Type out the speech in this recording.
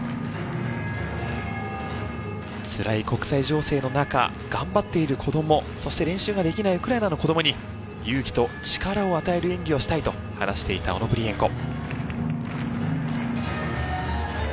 つらい国際情勢の中頑張っている子供そして練習ができないウクライナの子供に勇気と力を与える演技をしたいと話していたオノブリエンコ。